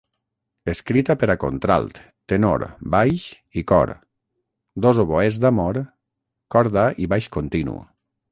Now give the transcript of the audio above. Escrita per a contralt, tenor, baix i cor; dos oboès d’amor, corda i baix continu.